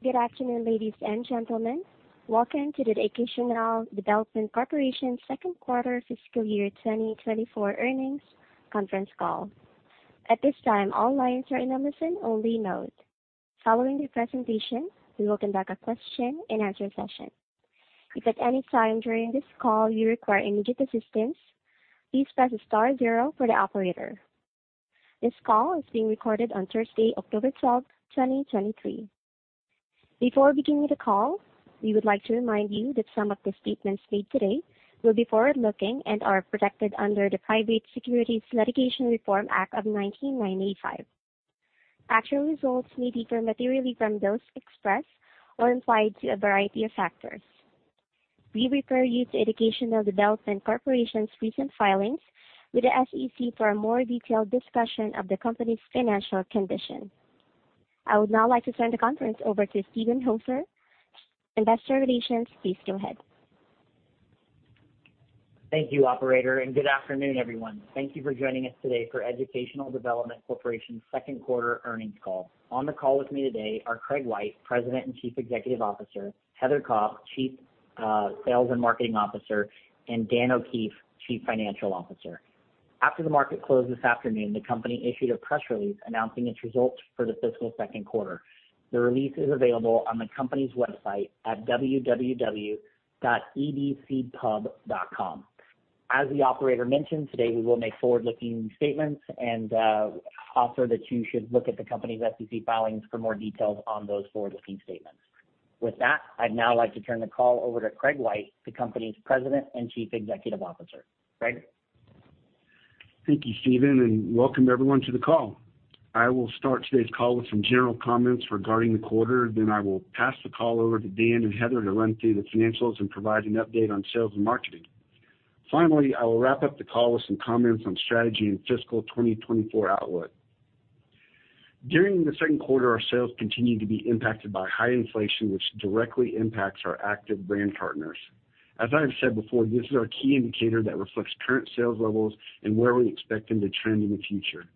Good afternoon, ladies and gentlemen. Welcome to the Educational Development Corporation second quarter fiscal year 2024 earnings conference call. At this time, all lines are in a listen-only mode. Following the presentation, we will conduct a question-and-answer session. If at any time during this call you require immediate assistance, please press star zero for the operator. This call is being recorded on Thursday, October 12, 2023. Before beginning the call, we would like to remind you that some of the statements made today will be forward-looking and are protected under the Private Securities Litigation Reform Act of 1995. Actual results may differ materially from those expressed or implied to a variety of factors. We refer you to Educational Development Corporation's recent filings with the SEC for a more detailed discussion of the company's financial condition. I would now like to turn the conference over to Steven Hooser, Investor Relations. Please go ahead. Thank you, operator, and good afternoon, everyone. Thank you for joining us today for Educational Development Corporation's second quarter earnings call. On the call with me today are Craig White, President and Chief Executive Officer, Heather Cobb, Chief Sales and Marketing Officer, and Dan O'Keefe, Chief Financial Officer. After the market closed this afternoon, the company issued a press release announcing its results for the fiscal second quarter. The release is available on the company's website at www.edcpub.com. As the operator mentioned, today, we will make forward-looking statements and also that you should look at the company's SEC filings for more details on those forward-looking statements. With that, I'd now like to turn the call over to Craig White, the company's President and Chief Executive Officer. Craig? Thank you, Steven, and welcome everyone to the call. I will start today's call with some general comments regarding the quarter, then I will pass the call over to Dan and Heather to run through the financials and provide an update on sales and marketing. Finally, I will wrap up the call with some comments on strategy and fiscal 2024 outlook. During the second quarter, our sales continued to be impacted by high inflation, which directly impacts our active brand partners. As I have said before, this is our key indicator that reflects current sales levels and where we expect them to trend in the future.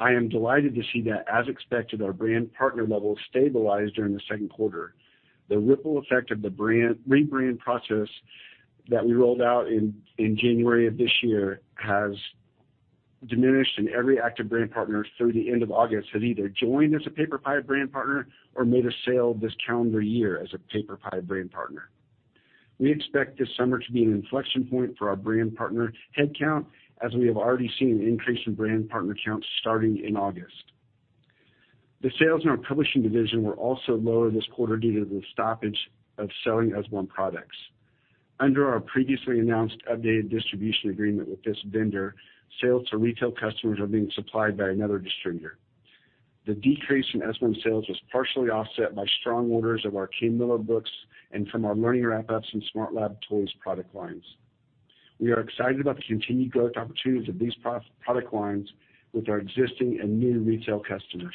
I am delighted to see that, as expected, our brand partner levels stabilized during the second quarter. The ripple effect of the brand rebrand process that we rolled out in January of this year has diminished, and every active brand partner through the end of August has either joined as a PaperPie brand partner or made a sale this calendar year as a PaperPie brand partner. We expect this summer to be an inflection point for our brand partner headcount, as we have already seen an increase in brand partner counts starting in August. The sales in our publishing division were also lower this quarter due to the stoppage of selling S1 products. Under our previously announced updated distribution agreement with this vendor, sales to retail customers are being supplied by another distributor. The decrease in S1 sales was partially offset by strong orders of our Kane Miller books and from our Learning Wrap-Ups and SmartLab Toys product lines. We are excited about the continued growth opportunities of these product lines with our existing and new retail customers.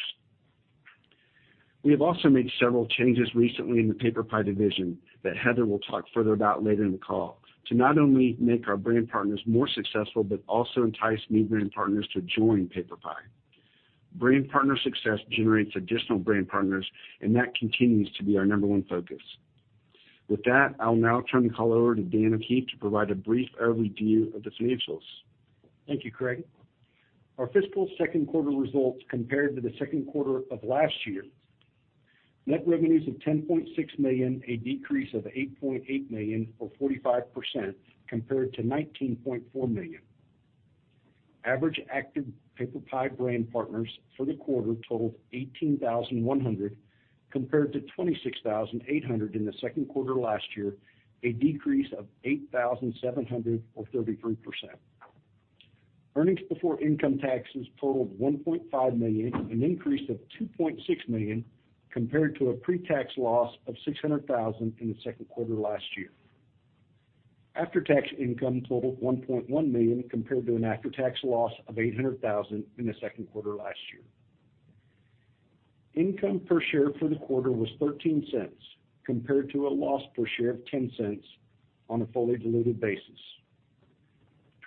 We have also made several changes recently in the PaperPie division, that Heather will talk further about later in the call, to not only make our brand partners more successful, but also entice new brand partners to join PaperPie. Brand partner success generates additional brand partners, and that continues to be our number one focus. With that, I'll now turn the call over to Dan O'Keefe to provide a brief overview of the financials. Thank you, Craig. Our fiscal second quarter results compared to the second quarter of last year: net revenues of $10.6 million, a decrease of $8.8 million, or 45%, compared to $19.4 million. Average active PaperPie brand partners for the quarter totaled 18,100, compared to 26,800 in the second quarter last year, a decrease of 8,700, or 33%. Earnings before income taxes totaled $1.5 million, an increase of $2.6 million, compared to a pre-tax loss of $600,000 in the second quarter last year. After-tax income totaled $1.1 million, compared to an after-tax loss of $800,000 in the second quarter last year. Income per share for the quarter was $0.13, compared to a loss per share of $0.10 on a fully diluted basis.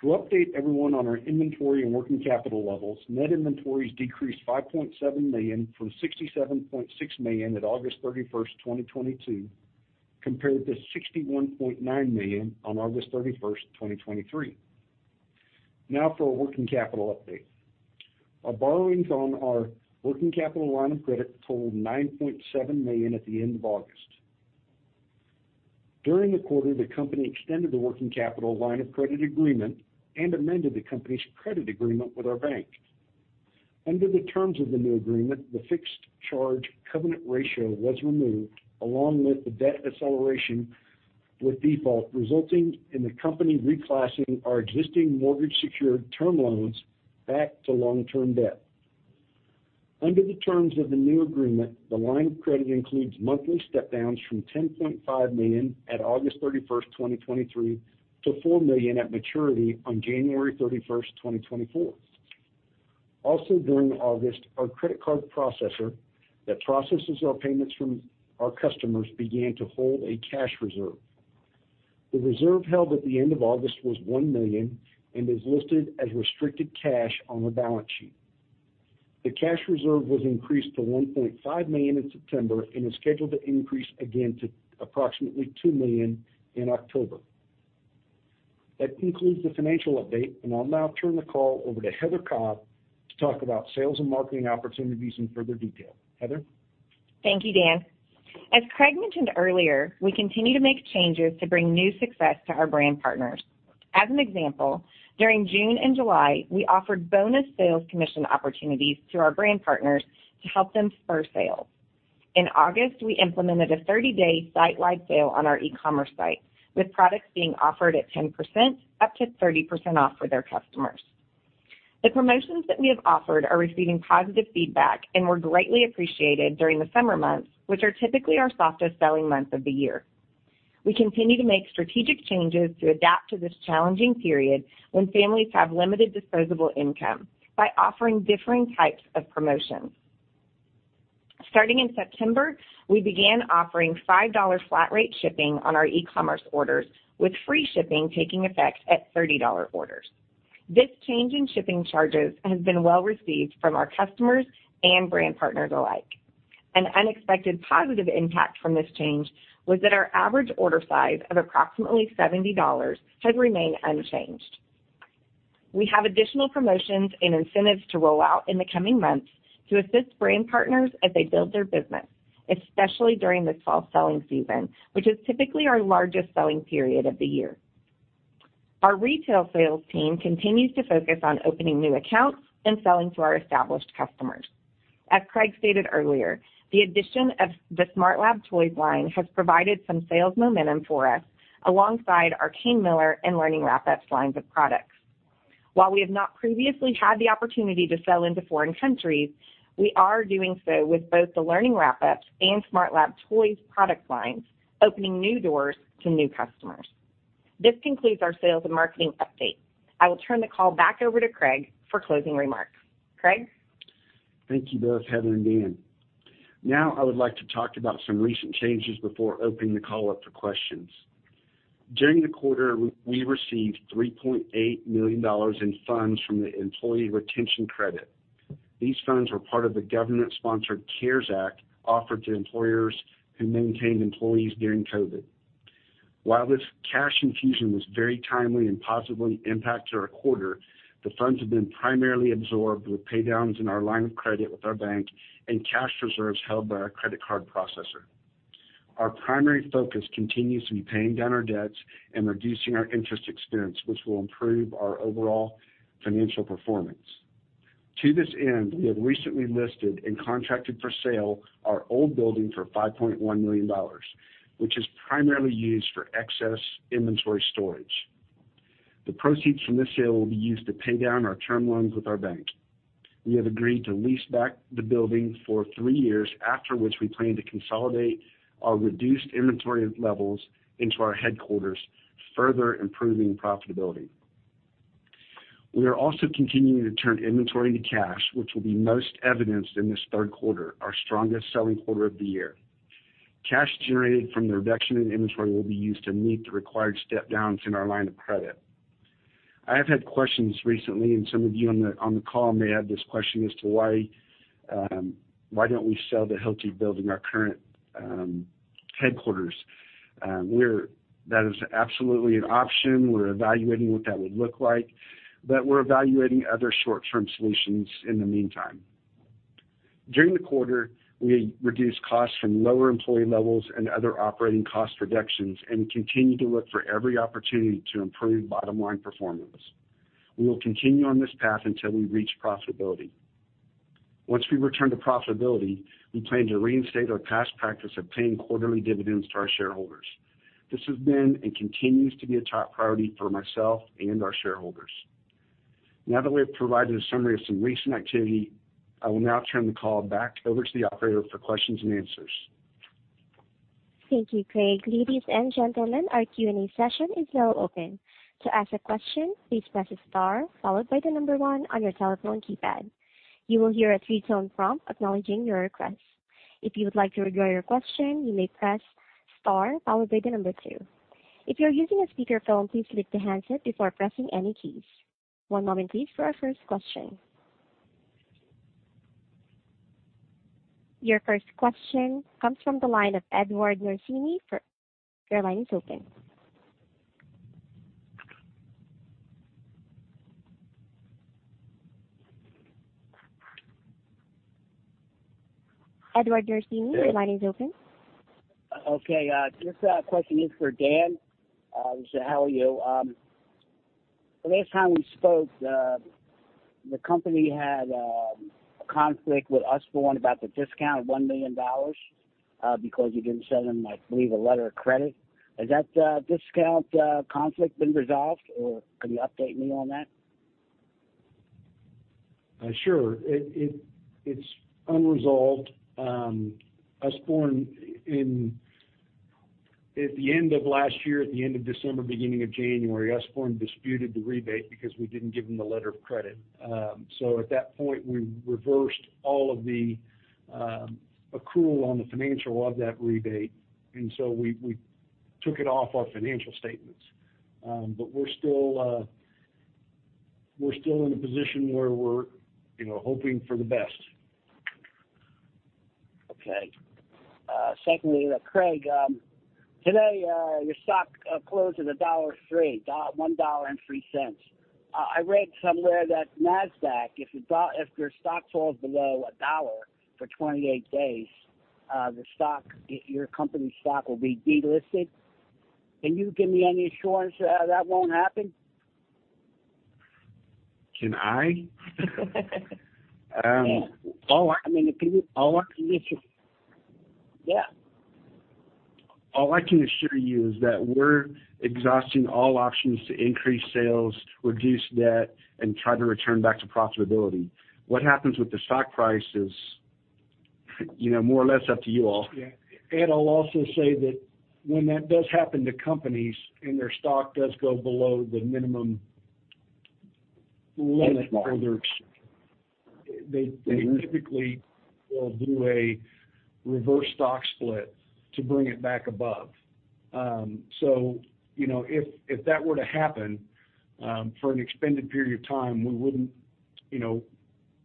To update everyone on our inventory and working capital levels, net inventories decreased $5.7 million from $67.6 million at August 31, 2022, compared to $61.9 million on August 31, 2023. Now for a working capital update. Our borrowings on our working capital line of credit totaled $9.7 million at the end of August. During the quarter, the company extended the working capital line of credit agreement and amended the company's credit agreement with our bank. Under the terms of the new agreement, the fixed charge covenant ratio was removed, along with the debt acceleration with default, resulting in the company reclassing our existing mortgage secured term loans back to long-term debt. Under the terms of the new agreement, the line of credit includes monthly step downs from $10.5 million at August 31, 2023, to $4 million at maturity on January 31, 2024. Also, during August, our credit card processor, that processes our payments from our customers, began to hold a cash reserve. The reserve held at the end of August was $1 million and is listed as restricted cash on the balance sheet. The cash reserve was increased to $1.5 million in September and is scheduled to increase again to approximately $2 million in October. That concludes the financial update, and I'll now turn the call over to Heather Cobb to talk about sales and marketing opportunities in further detail. Heather? Thank you, Dan. As Craig mentioned earlier, we continue to make changes to bring new success to our brand partners. As an example, during June and July, we offered bonus sales commission opportunities to our brand partners to help them spur sales. In August, we implemented a 30-day sitewide sale on our e-commerce site, with products being offered at 10%, up to 30% off for their customers. The promotions that we have offered are receiving positive feedback and were greatly appreciated during the summer months, which are typically our softest selling months of the year. We continue to make strategic changes to adapt to this challenging period when families have limited disposable income by offering differing types of promotions. Starting in September, we began offering $5 flat rate shipping on our e-commerce orders, with free shipping taking effect at $30 orders. This change in shipping charges has been well received from our customers and brand partners alike. An unexpected positive impact from this change was that our average order size of approximately $70 had remained unchanged. We have additional promotions and incentives to roll out in the coming months to assist brand partners as they build their business, especially during the fall selling season, which is typically our largest selling period of the year. Our retail sales team continues to focus on opening new accounts and selling to our established customers. As Craig stated earlier, the addition of the SmartLab Toys line has provided some sales momentum for us, alongside our Kane Miller and Learning Wrap-Ups lines of products. While we have not previously had the opportunity to sell into foreign countries, we are doing so with both the Learning Wrap-Ups and SmartLab Toys product lines, opening new doors to new customers. This concludes our sales and marketing update. I will turn the call back over to Craig for closing remarks. Craig? Thank you both, Heather and Dan. Now, I would like to talk about some recent changes before opening the call up for questions. During the quarter, we received $3.8 million in funds from the Employee Retention Credit. These funds were part of the government-sponsored CARES Act, offered to employers who maintained employees during COVID. While this cash infusion was very timely and positively impacted our quarter, the funds have been primarily absorbed with pay downs in our line of credit with our bank and cash reserves held by our credit card processor. Our primary focus continues to be paying down our debts and reducing our interest expense, which will improve our overall financial performance. To this end, we have recently listed and contracted for sale our old building for $5.1 million, which is primarily used for excess inventory storage. The proceeds from this sale will be used to pay down our term loans with our bank. We have agreed to lease back the building for three years, after which we plan to consolidate our reduced inventory levels into our headquarters, further improving profitability. We are also continuing to turn inventory to cash, which will be most evidenced in this third quarter, our strongest selling quarter of the year. Cash generated from the reduction in inventory will be used to meet the required step downs in our line of credit. I have had questions recently, and some of you on the call may have this question as to why, why don't we sell the Hilti building, our current headquarters? We're, that is absolutely an option. We're evaluating what that would look like, but we're evaluating other short-term solutions in the meantime. During the quarter, we reduced costs from lower employee levels and other operating cost reductions and continue to look for every opportunity to improve bottom-line performance. We will continue on this path until we reach profitability. Once we return to profitability, we plan to reinstate our past practice of paying quarterly dividends to our shareholders. This has been and continues to be a top priority for myself and our shareholders. Now that we have provided a summary of some recent activity, I will now turn the call back over to the operator for questions and answers. Thank you, Craig. Ladies and gentlemen, our Q&A session is now open. To ask a question, please press star followed by the number one on your telephone keypad. You will hear a three-tone prompt acknowledging your request. If you would like to withdraw your question, you may press star followed by the number two. If you're using a speakerphone, please lift the handset before pressing any keys. One moment, please, for our first question. Your first question comes from the line of Edward Norcini. Your line is open. Edward Norcini, your line is open. Okay, this question is for Dan. So how are you? The last time we spoke, the company had a conflict with Usborne about the discount of $1 million, because you didn't send them, I believe, a letter of credit. Has that discount conflict been resolved, or can you update me on that? Sure. It's unresolved. Usborne at the end of last year, at the end of December, beginning of January, disputed the rebate because we didn't give them the letter of credit. So at that point, we reversed all of the accrual on the financial of that rebate, and so we took it off our financial statements. But we're still in a position where we're, you know, hoping for the best. Okay. Secondly, Craig, today your stock closed at $1.03. I read somewhere that NASDAQ, if your stock falls below $1 for 28 days, the stock, your company's stock will be delisted. Can you give me any assurance that won't happen? Can I? Yeah. I mean, if you—all I can assure. Yeah. All I can assure you is that we're exhausting all options to increase sales, reduce debt, and try to return back to profitability. What happens with the stock price is, you know, more or less up to you all. Yeah. And I'll also say that when that does happen to companies, and their stock does go below the minimum limit for their- That's right. They typically will do a reverse stock split to bring it back above. So you know, if that were to happen for an extended period of time, we wouldn't, you know,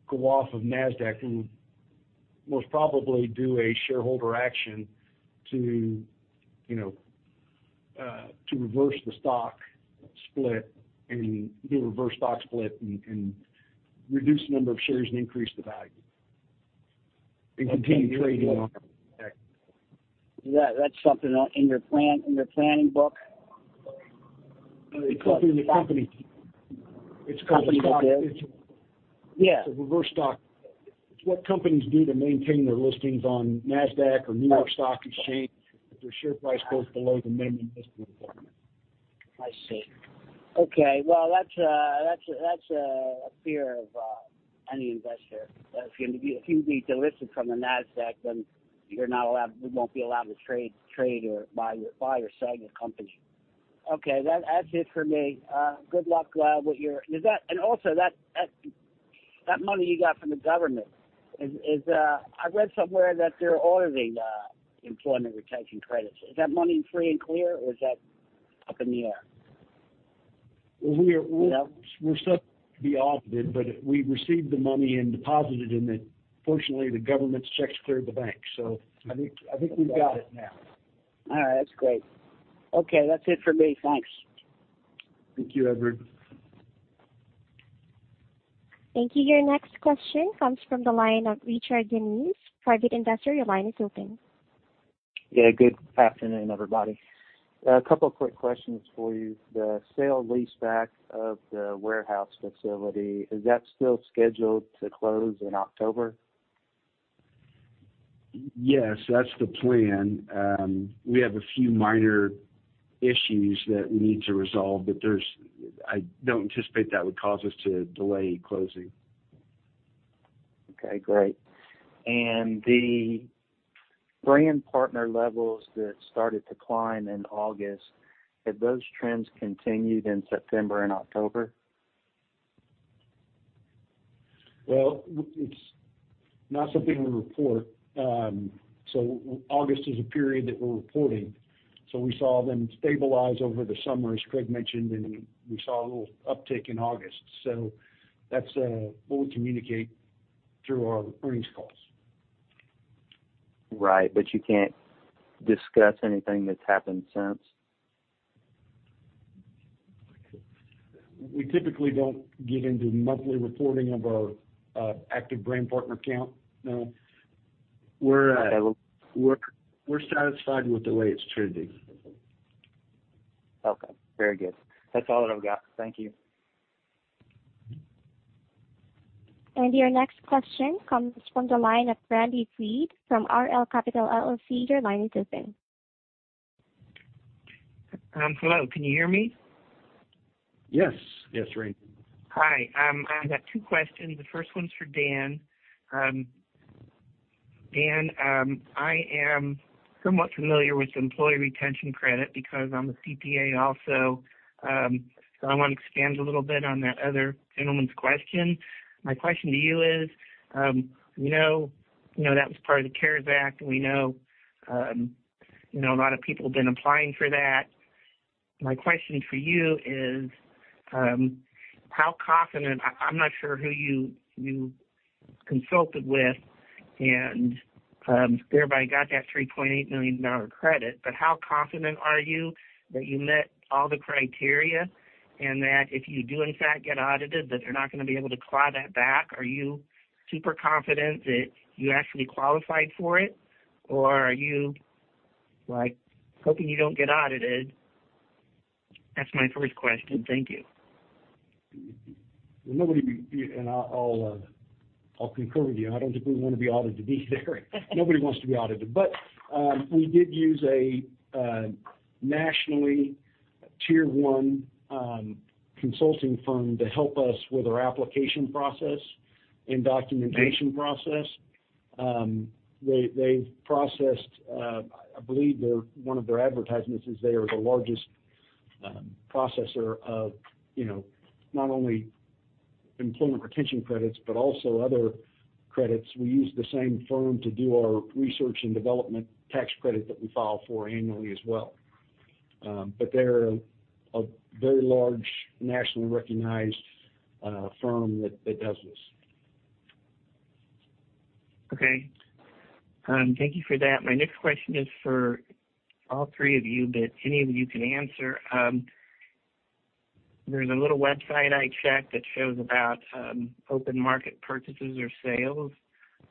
go off of NASDAQ. We would most probably do a shareholder action to, you know, to reverse the stock split and do a reverse stock split and reduce the number of shares and increase the value, and continue trading on NASDAQ. Yeah, that's something in your plan, in your planning book? It's something the stock- Yeah. It's a reverse stock split. It's what companies do to maintain their listings on NASDAQ or New York Stock Exchange, if their share price goes below the minimum listing requirement. I see. Okay, well, that's a, that's a, that's a fear of, any investor. If you need to delist from the NASDAQ, then you're not allowed—you won't be allowed to trade or buy or sell your company. Okay, that's it for me. Good luck with your... Is that—Also, that money you got from the government, is, I read somewhere that they're auditing Employee Retention Credits. Is that money free and clear, or is that up in the air? We are- Yeah. We're still to be audited, but we received the money and deposited it, and then fortunately, the government checks cleared the bank. So I think, I think we've got it now. All right, that's great. Okay, that's it for me. Thanks. Thank you, Edward. Thank you. Your next question comes from the line of Richard Deniz, private investor. Your line is open. Yeah, good afternoon, everybody. A couple quick questions for you. The sale-leaseback of the warehouse facility, is that still scheduled to close in October? Yes, that's the plan. We have a few minor issues that we need to resolve, but I don't anticipate that would cause us to delay closing. Okay, great. And the brand partner levels that started to climb in August, have those trends continued in September and October? Well, it's not something we report. So August is a period that we're reporting. So we saw them stabilize over the summer, as Craig mentioned, and we saw a little uptick in August. So that's what we communicate through our earnings calls. Right, but you can't discuss anything that's happened since? We typically don't get into monthly reporting of our active brand partner count. No. We're satisfied with the way it's trending. Okay, very good. That's all that I've got. Thank you. Your next question comes from the line of Randy Freed from RL Capital LLC. Your line is open. Hello, can you hear me? Yes. Yes, Randy. Hi, I've got two questions. The first one's for Dan. Dan, I am somewhat familiar with the Employee Retention Credit because I'm a CPA also. So I want to expand a little bit on that other gentleman's question. My question to you is, we know, you know, that was part of the CARES Act, and we know, you know, a lot of people have been applying for that. My question for you is, how confident... I, I'm not sure who you, you consulted with and, whereby you got that $3.8 million credit, but how confident are you that you met all the criteria and that if you do in fact get audited, that they're not going to be able to claw that back? Are you super confident that you actually qualified for it, or are you, like, hoping you don't get audited? That's my first question. Thank you. Nobody, and I'll, I'll concur with you. I don't think we want to be audited either. Nobody wants to be audited. We did use a nationally tier one consulting firm to help us with our application process and documentation process. They processed, I believe their, one of their advertisements is they are the largest processor of, you know, not only employment retention credits, but also other credits. We use the same firm to do our research and development tax credit that we file for annually as well. They're a very large, nationally recognized firm that does this. Okay. Thank you for that. My next question is for all three of you, but any of you can answer. There's a little website I checked that shows about open market purchases or sales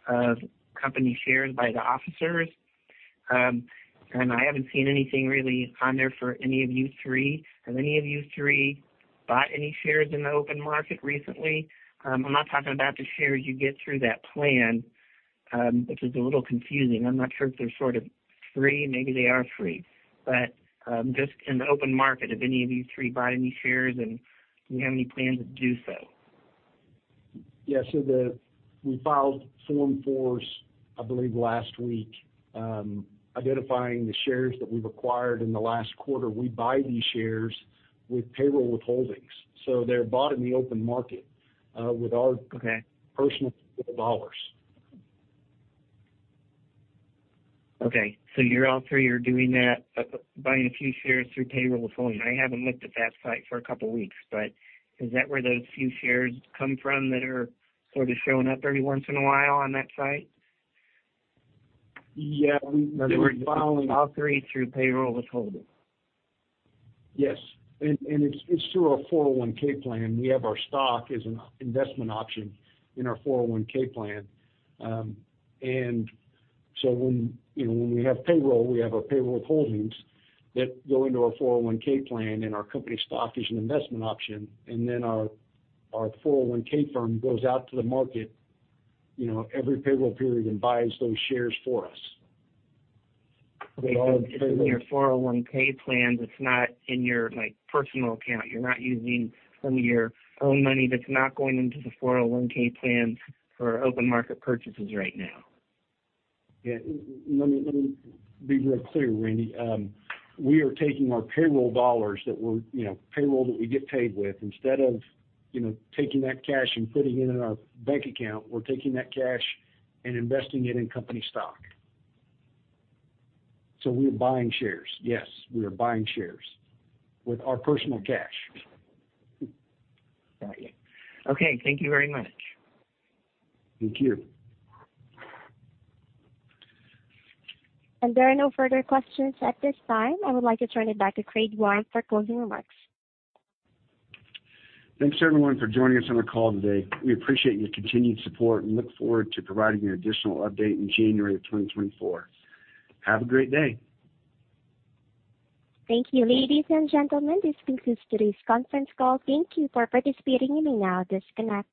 of company shares by the officers. I haven't seen anything really on there for any of you three. Have any of you three bought any shares in the open market recently? I'm not talking about the shares you get through that plan, which is a little confusing. I'm not sure if they're sort of free. Maybe they are free, but just in the open market, have any of you three bought any shares, and do you have any plans to do so? Yeah, so we filed Form 4s, I believe last week, identifying the shares that we've acquired in the last quarter. We buy these shares with payroll withholdings, so they're bought in the open market with our- Okay. -personal dollars. Okay, so you're all three are doing that, but buying a few shares through payroll withholding. I haven't looked at that site for a couple weeks, but is that where those few shares come from that are sort of showing up every once in a while on that site? Yeah, we filed- All three through payroll withholding. Yes, and it's through our 401(k) plan. We have our stock as an investment option in our 401(k) plan. And so when, you know, when we have payroll, we have our payroll withholdings that go into our 401(k) plan, and our company stock is an investment option, and then our 401 firm goes out to the market, you know, every payroll period and buys those shares for us. It's in your 401(k) plan, it's not in your, like, personal account. You're not using some of your own money that's not going into the 401(k) plan for open market purchases right now? Yeah. Let me, let me be real clear, Randy. We are taking our payroll dollars that we're... You know, payroll that we get paid with. Instead of, you know, taking that cash and putting it in our bank account, we're taking that cash and investing it in company stock. So we're buying shares. Yes, we are buying shares with our personal cash. Got you. Okay, thank you very much. Thank you. There are no further questions at this time. I would like to turn it back to Craig White for closing remarks. Thanks, everyone, for joining us on the call today. We appreciate your continued support and look forward to providing an additional update in January of 2024. Have a great day. Thank you, ladies and gentlemen. This concludes today's conference call. Thank you for participating, you may now disconnect.